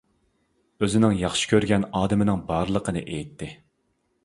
ئۆزىنىڭ ياخشى كۆرگەن ئادىمىنىڭ بارلىقىنى ئېيتتى.